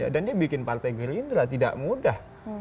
dan dia bikin partai gelindra tidak mudah